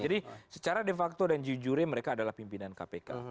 jadi secara de facto dan de jure mereka adalah pimpinan kpk